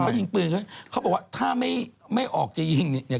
เขายิงปืนเขาบอกว่าถ้าไม่ไม่ออกจะยิงเนี่ย